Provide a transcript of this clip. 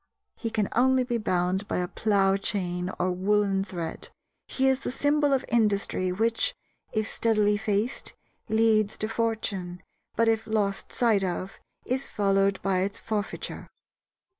He can only be bound by a plough chain or woolen thread. He is the symbol of industry which, if steadily faced, leads to fortune, but, if lost sight of, is followed by its forfeiture.